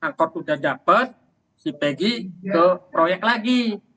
angkot sudah dapat si pegi ke proyek lagi